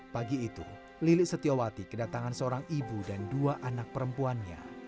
pagi itu lilik setiawati kedatangan seorang ibu dan dua anak perempuannya